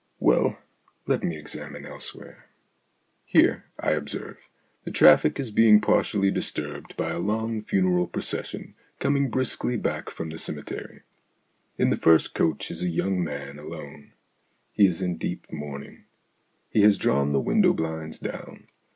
Well, let me examine elsewhere. Here, I observe, the traffic is being partially dis turbed by a long funeral procession coming briskly back from the cemetery. In the first coach is a young man alone. He is in deep mourning. He has drawn the window blinds down.